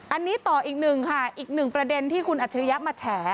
อันนี้ต่ออีกหนึ่งค่ะอีกหนึ่งประเด็นที่คุณอัจฉริยะมาแฉ